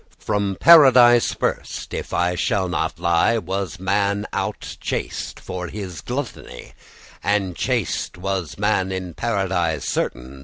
From Paradise first, if I shall not lie, Was man out chased for his gluttony, And chaste was man in Paradise certain.